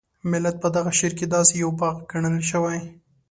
ملت په دغه شعر کې داسې یو باغ ګڼل شوی.